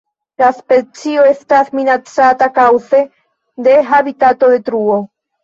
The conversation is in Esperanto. La specio estas minacata kaŭze de habitatodetruo.